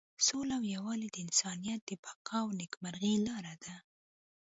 سوله او یووالی د انسانیت د بقا او نیکمرغۍ لاره ده.